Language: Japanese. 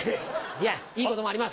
いやいいこともあります。